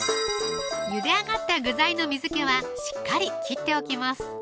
ゆで上がった具材の水気はしっかり切っておきます